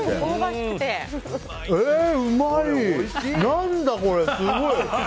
何だこれ、すごい！